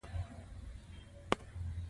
پاچا په رسمي سفر له عربستان څخه ليدنه وکړه.